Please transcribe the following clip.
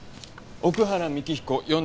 奥原幹彦